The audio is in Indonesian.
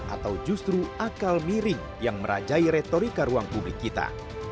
atau justru akal miring yang merajai retorika ruang publik kita